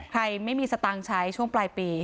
ไม่มีสตางค์ใช้ช่วงปลายปี